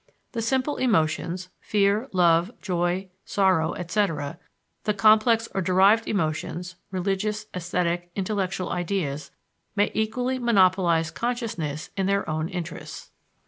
The simple emotions (fear, love, joy, sorrow, etc.), the complex or derived emotions (religious, esthetic, intellectual ideas) may equally monopolize consciousness in their own interests.